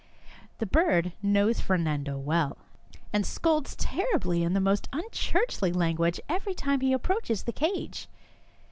The bird knows Fernando well, and scolds terribly in most unchurchly language every time he approaches the cage.